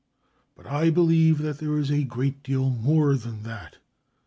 But I believe that there is a great deal more than that.